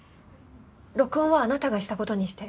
録音はあなたがしたことにして。